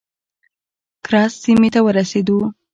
کرز سیمې ته ورسېدو.